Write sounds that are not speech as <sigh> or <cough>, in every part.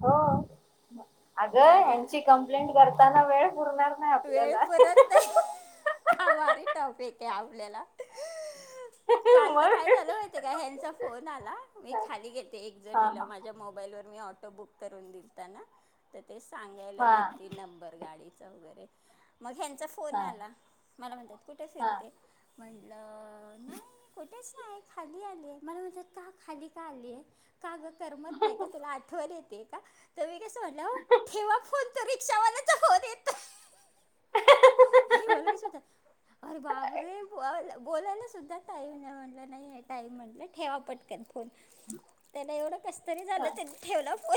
हो! अगं म्हटलं यांची कंप्लेंट करताना वेळ पुरणार नाही आपल्याला. आमारी टॉपिक आहे आपलेला. काल तर मग काय झालं ते का ह्यांचा फोन आला मी हा खाली घेते एक जणीला हा माझ्या मोबाईलवर मी ऑटो बुक करून दिलताना. तर ते सांगायला हा गेल ते नंबर गाडी वगरे मग, फोन हा आला मला म्हणतात कुठे हा फिरते म्हणटलं नाही कुठेच नाही. खाली आले मला म्हणतात का खाली का आलीय. का गं, करमत नाही का तुला आठवल येते का तर मी का स म्हणलं हो! ठेवा फोन त रिक्षावालाच फोन येत. हे बला क सुत. अरे बाबरे ब बोलायला सुद्धा टाईम आहे म्हटलं नाहीय टाईम म्हटलं ठेवा पटक त्याला एवढं कसत झालं हा त्यांनी ठेवला फो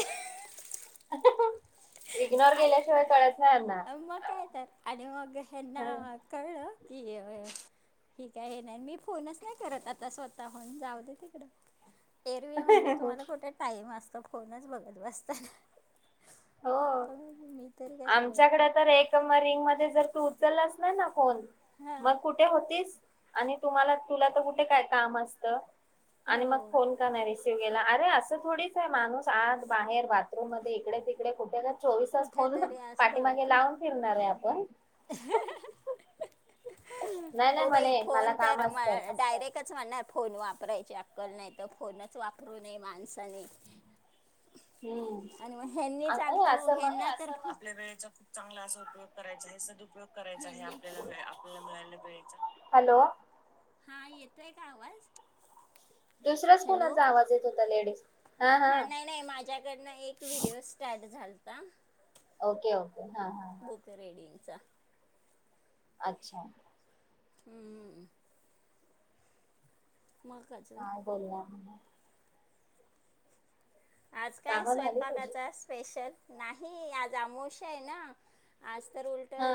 इग्नोर केल्याशिवाय कळत नाही यांना अ मग काय तर आणि मग हना. कायळ की आहे. ठीक आहे हे नाही मी फोनच नाही करत आता स्वतःहन जाऊ दे तिकडं, एअरवे म्हटलं तुम्हाला कुठे टाइम असतं फोनच बघत बसताना. हो हा आता मी तरी कशाला आमच्याकडे क तर एक रिंग म जर तू उचल असला ना फोन मग हां कुठ कुठे होतीस आणि तुम्हाला तुला तर कुठे काय काम असतं. हो आणि मग फोन का नाही ला अरे असं थोडीच आहे, माणूस आत बाहेर बाथरूम मध्ये इकडे तिकडे कुठे चोवीस तास कुठं खोल तरी असतं पाठीमागे लावून फिरणार आहे आपण. नाही नाही हो बाई म्हणे मला फोन काम तर म असतं डायरेक्ट च म्हणणार फोन वापरायची अक्कल नाही तर फोनच वापरू नये माणसाने. हम्म. <inaudible> आणि मग हनी अ चालत अय, हो असं मग हना तर. आपल्या वेळेचा खूप चांगला असा उपयोग करायचा आहे सदुपयोग करायचा आहे आपल्याला वे आपल्याला मिळाल्या वेळेचा. हॅलो. हा येतोय का आवाज. दुसऱ्याच हॅलो कोणाचा आवाज येत होता लेडीज. हा नाही नाही माझ्याकडनं एक व्हिडिओ स्टार्ट झालता. ओके ओके हा हा. हा बुक रीडिंगचा. अच्छा! हम्म हम्. मग कााजून. <unintelligible> आज काय कामं झाली तुझी स्वयंपाकाचा स्पेशल. नाही आज अमोश आहे ना आज तर उलट हा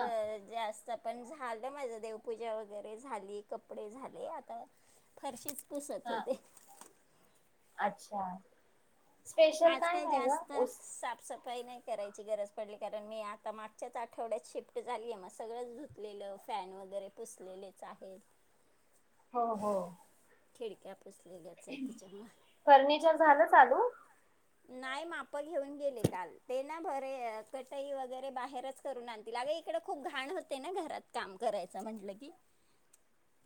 जास्त. पण झालं माझ देवपूजा वगैरे झाली कपडे झाले आता. फारशीच पुसत हा होते. अच्छा! स्पेशल आज काय काही नाही ग जास्त उस साफसफ. उपाय नाही करायची गरज पडली कारण मी आता मागच्याच आठवड्यात शिफ्ट झाली आहे मग सगळं. लेलं फॅन वगैरे पुसलेलेच आहेत. हो हो. खिडक्या पुसली ग. फर्निचर झालं चालू. नाही माप घेऊन गेले काल ते ना भरे कटई वगैरे बाहेरच. करून आणतील अग इकड खूप घाण होते ना घरात काम करायचं म्हटलं की.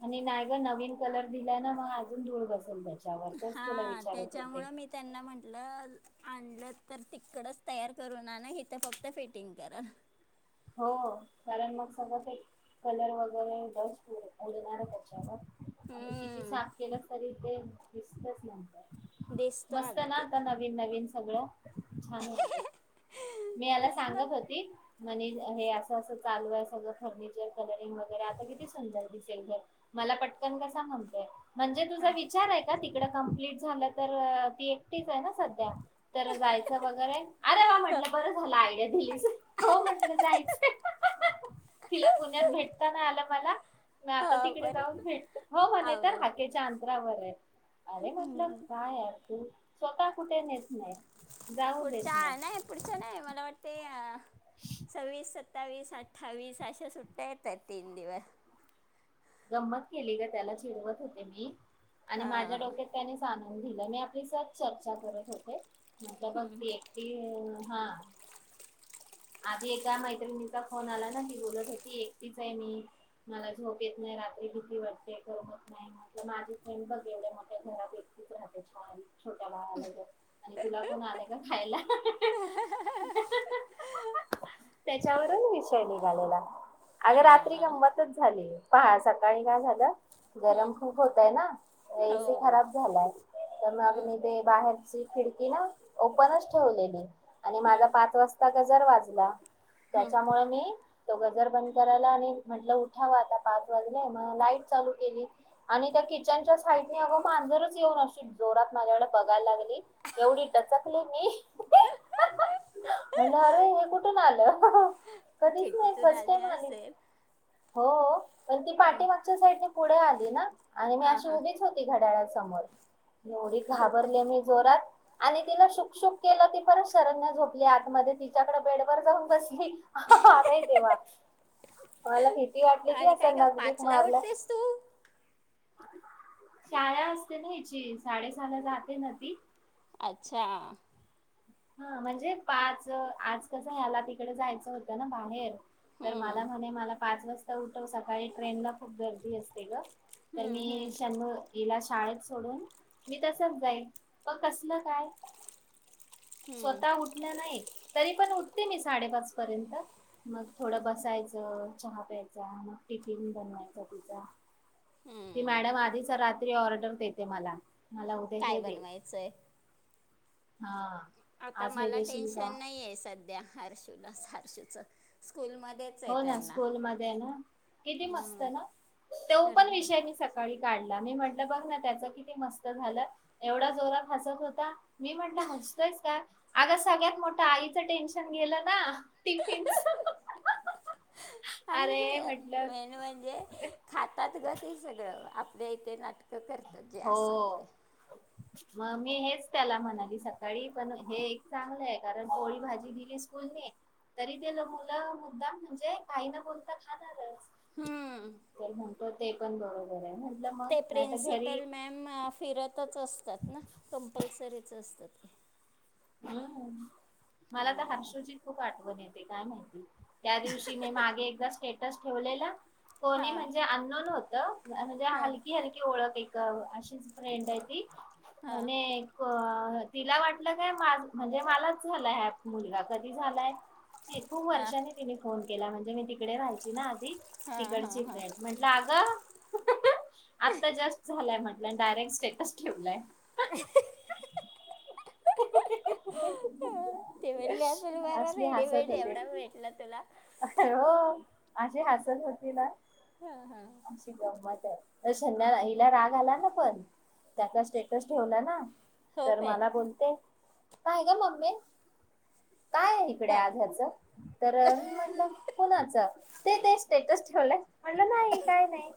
आणि नाही ग नवीन कलर दिला ना मग अजून धूळ बसून बचावर तेच तुला हा विचारत होते. त्याच्यामुळं मी त्यांना म्हटलं. आणलं तर तिकडच तयार करून आणा इथं फक्त फिटिंग करा. हो कारण मग सगळं ते कलर वगैरे डस्ट उडणार त्यांच्यावर. आणि किती हम्म साफ केलंच तरी ते दिसतच नंतर. दिसतं मस्त अगं ना ते आता नवीन नवीन सगळं छान हो. मी ह्याला कसलं सांगत होती. म्हणे हे असं असं चालू आहे सगळं फर्निचर कलरिंग वगैरे आता किती सुंदर दिसेल घर. मला पटकन कसा म्हणतोय. म्हणजे तुझा हा विचार आहे का तिकडं कंप्लीट झालं तर ती एकटीच आहे ना सध्या. तर जायचं वगैरे अरे व्वा हा, म्हटलं बरं झालं आयडिया दिलीस. हो म्हटलं जायचं तिला पुण्यात भेटता ना आलं मला‌ मी आता हा, तिकडे जाऊन परत भेटतं हो म्हणे तर आवरण हाकेच्या अंतरावर हाय. अरे म्हटलं हम्म. काय यार तू स्वतः कुठे नेत नाय. पुढच्या नाही पुढच्या नाही मला वाटतेय सव्वीस सत्तावीस. अठ्ठावीस अशा सुट्ट्या येतात तीन दिवस. गंमत केली ग त्याला चिडवत होते मी आणि माझ्या हा डोक्यात. त्यानेच आनंद दिला मी आपली स चर्चा करत होते म्हटलं बघ. हा. आधी एका मैत्रिणीचा फोन आला ना ती बोलत होती एकटीच हाय मी. मला झोप येत नाय रात्री भिती वाटते करमत नाय. आपलं माझी फ्रेंड बघ एवढ्या मोठ्या घरात एकटीच राहते छान. छोट्या भाव आलय का आणि तुला कोण आलय का खायला. <unintelligible> त्यांच्यावरून विषय निघालेला अगं रात्री हा गंमतच झाली. पहा सकाळी काय झालं हं, गरम खूप होतय ना एसी हो खराब झालाय तर मग मी हं, ते बाहेरची खिडकी ना ओपनच ठेवलेली आणि माझा हं, पाच वासता गजर वाजला हं. त्यांच्यामुळे मी तो गजर बंद करायला आणि म्हटलं उठाव आता पाच वाजले मग लाईट चालू केली आणि त्या किचनच्या साईडने अगं मांजरच येऊन अशी जोरात माझ्याकडे बघायला लागली एवढी टचकली मी म्हणलं अरे हे कुठून आलं कधीच नाही खिडकीतून फस्ट आली टाईम आले असेल हो पण ती हा पाठिमागच्या साईडने पुढे आली ना आणि मी हा अशी हा उभीच हो घड्याळ्या समोर एवढी हो काय घाबरले मी जोरात आणि तिला शुकशुक केलं ती परत शरण्या झोपली आतमध्ये तिच्याकडे बेड वर जाऊन बसली का तेव्हा मला किती वाटली आणि काय का नजदीक पाचला मारलं उठतेस तू शाळा असते ना हिची साडेसहाला जाते ना ती अच्छा हा म्हणजे पांच आज कसं याला तिकडे जायचं होतं ना बाहेर तर मला हं, म्हणे मला पाच वाजता उठव सकाळी ट्रेन ला खूप गर्दी असते गं तर हं, मी हं, शंभ ईला शाळेत सोडून मी तसंच जाईन पग कसलं काय हं, स्वतः उठलं नाही तरी पण उठते मी साडेपाच पर्यंत मग थोडं बसायचं चहा प्यायचा मग टिफिन बनवायचा तिचा ती हं. मॅडम आधीच रात्री ऑर्डर देते मला मला उद्या काय हे दे बनवायचंय हा आता आज हे मला देशील का टेन्शन नाही आहे सध्या हर्शूला हारशूचं स्कूलमध्ये हो ना स्कूल मध्ये ना किती मस्त हं, ना तेव पण त्यांना विषय म सकत सकाळी काढला मी म्हटलं बघ ना त्याच किती मस्त झालं एवढा जोरा फासत होता मी म्हटलं हसतयस का आग सगळ्यात मोठं आईचं टेन्शन गेलं ना टिफिनच आणि व अरे म्हटलं वेन म्हणजे खातात ग ते सगळं आपल्या इथे नाटक करतात जे असेल ते हो मग मी हेच त्याला म्हणाली सकाळी पण हे एक चांगलं आहे कारण पोळी भाजी दिली स्कूलने तरी ते मुलं मुद्दाम म्हणजे काईन बोलता खाणारच हम्म तर म्हणतो ते पण बरोबर आहे म्हटलं मग ते नाही तर घरी प्रिन्सिपल मॅम फिरतच असतात ना कंपल्सरीच असतात ते हम् मला तर हर्षजी खूप आठवण येते काय माहिती त्या दिवशी मी मागे एकदा स्टेटस ठेवलेला कोणी हा म्हणजे अननोन होतं म्हणजे हा हलकी हलकी ओळख एक अशीच फ्रेंड आहे ती हा म्हणे अ तिला वाटलं काय म्हणजे मलाच झालायं हा मुलगा कधी झालायं खूप हा वर्षांनी तिने फोन केला म्हणजे मी तिकडे राहायची ना आधी हा हा तिकडची हा फ्रेंड म्हण लागा आता जस्ट झालाय म्हटलं डायरेक्ट स्टेटस ठेवलाय <unintelligible> तु कती त म्हटली असेल बर रेडीमेड एवढा भेटलं तुला अ हो माझी हसत होती ना हा हा <inaudible> हिला राग आला हो तर काय मला बोलते काय का मम्ममी काय आहे हा इकडे ते तेच ते तरच ठेवलं म्हटलं नाही काय नाही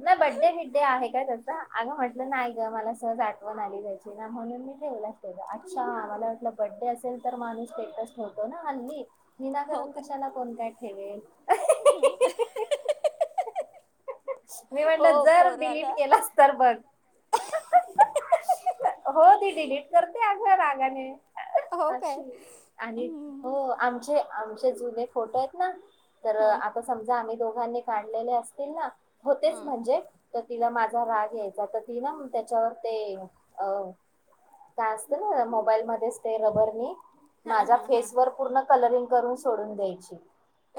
नाही बड्डे मडडे आहे का त्याच अगं म्हटलं नाही ग मला सहज आठवण आली त्याची म्हणून मी व अच्छा आ मला वाटलं बड्डे असेल तर माणूस स्टेटस्ट नव्हतो ना हल्ली विना हो करून कशाला कोण काय ठेवेल हम्म मी म्हटलं जर डिलीट केलास तर बघ हो ती डिलीट करते अग रागाने हो काय शी आणि हो हम्म आमचे आमचे जुने फोटो आहेत ना तर हम्म आता समजा आम्ही दोघांनी काढलेले असतील ना होतेच हम्म म्हणजे तर तिला माझा राग या्यायचा तर ती ना त्याच्यावर ते अ काय असत ना मोबाईल मध्येच ते रबरने हा माझा हा हा. फेस वर पूर्ण कलरिंग करून सोडून द्यायची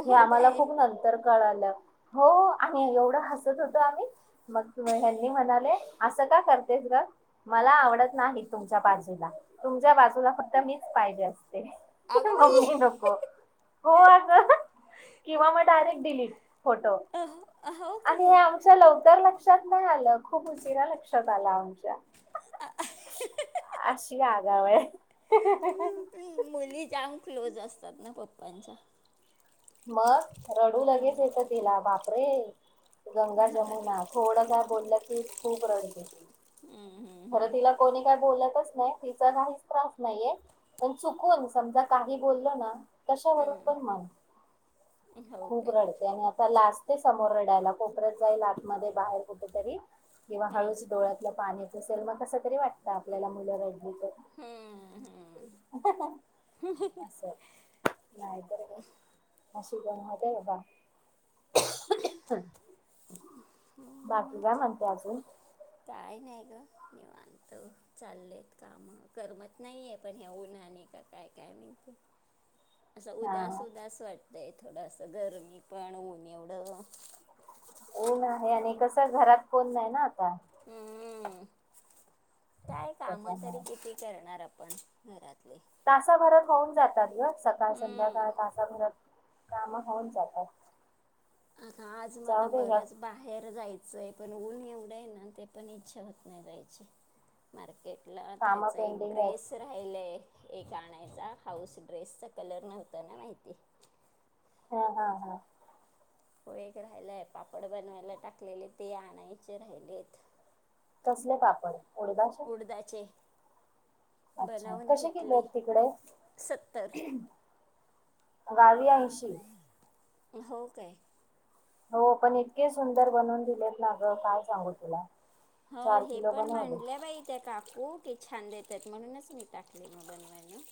हे हो आम्हाला काय खूप न तर कळाल्या हो आणि एवढं हसत होत आम्ही मग हनी म्हणाले असं का करतेस ग मला आवडत नाही तुमच्या बाजूला तुमच्या बाजूला फक्त मीच पाहिजे असते अगं बाई मम्मी नको हो अग किंवा मग डायरेक्ट डिलीट फोटो अ हो आणि हे काय आमच्या लवकर लक्षात नाही आलं खूप उशीरा लक्षात आला आमच्या अशी आगाव आहे हम्म, मुली जाम क्लोज असतात ना पप्पांच्या मग रडू लगेच हम्म येतं तिला बापरे हो गंगा जमुनात थोडं का बोललं की खूप रडते त हम्म हम्म हम्म. कोणी काय बोलतच नाही तिचा काहीच त्रास नाहीये. पण चुकून समजा काही बोलल ना कशावरून पण हम्म. मन हो खूप काय रडते आणि आता लाचते समोर रडायला कोपऱ्यात जाईल आतमध्ये बाहेर कुठेतरी किंवा हळूच डोळ्यातलं पाणी पुसेल मग कस तरी वाटतं आपल्याला मुलं रडली तर. हम्म असं नाही बर. अशी गन बाबा. हम्म बाकी काय मग म्हणते अजून? काय नाय ग. निवांत चाललेत काम करमत नाहीे पण ह्या ऊना न का काय माहिती? असं उदास हा उदास वाटतंय थोडस गरमी पण होऊन एवढं. ऊन आहे आणि कस घरात कोण नाही ना आता. हम्म काय काम तरी त्याच्यामुळे किती करणार आपण. घरातले. तासाभरात होऊन जातात ग सकाळ हम्म संध्याकाळ तासाभरात काम होऊन जातात आता आज मला जाऊ दे या बरच बाहेर जायचंय पण ऊन एवढं आहे ना ते पण इच्छा होत नाही जायची मार्केटला कामं त्याचा एक पेंडिंग आहेत. ड्रेस राहिलय एक आणायचा हाऊस ड्रेसचा कलर नव्हता ना माहिती. हा हा हा. व वेग राहिलाय पापड बनवायला टाकलेले ते आणायचे राहिलेत. कसले पापड? उडदाचे? उडदाचे. अच्छा बनवून कसे घेतले किलोत तिकडे? सत्तर गावी ऐंशी. हो काय. हो पण इतके सुंदर बनवून दिलेत ना ग, काय सांगू तुला. हो चार हे किलो पण बनवले. म्हणल्या बाई त्या काकू की छान देतायेत म्हणूनच मी टाकले मग बनवायला.